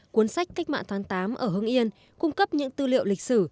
cuốn sách cách mạng tháng tám ở hương nghiên cung cấp những tư liệu lịch sử